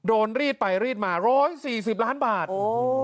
โดนรีดไปรีดมาร้อยสี่สิบล้านบาทโอ้โห